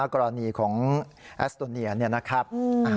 กรณีของแอสโตเนียนะครับ